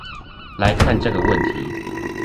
來看這個問題